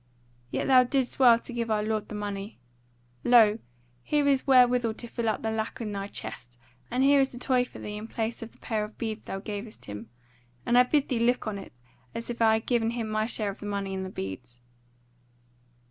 Yet thou didst well to give our lord the money. Lo! here is wherewithal to fill up the lack in thy chest; and here is a toy for thee in place of the pair of beads thou gavest him; and I bid thee look on it as if I had given him my share of the money and the beads."